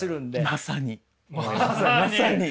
まさに。